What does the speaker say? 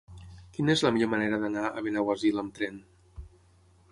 Quina és la millor manera d'anar a Benaguasil amb tren?